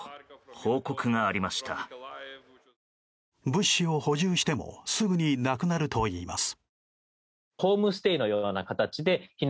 物資を補充してもすぐに、なくなるといいます。